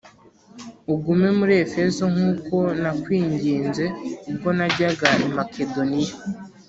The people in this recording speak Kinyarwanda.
Ugume muri Efeso nk’uko nakwinginze ubwo najyaga i Makedoniya